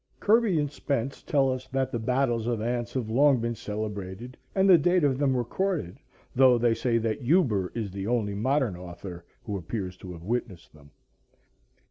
Kirby and Spence tell us that the battles of ants have long been celebrated and the date of them recorded, though they say that Huber is the only modern author who appears to have witnessed them.